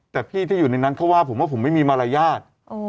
แต่พี่ที่อยู่ในนั้นเขาว่าผมว่าผมไม่มีมารยาท